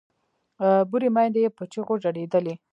بورې میندې یې په چیغو ژړېدلې